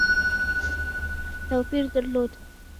توپیر درلود.